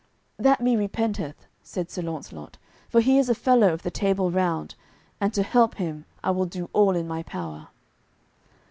"That me repenteth," said Sir Launcelot, "for he is a fellow of the Table Round, and to help him I will do all in my power."